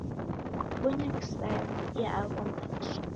Kwabonya kisaya kudia agho machi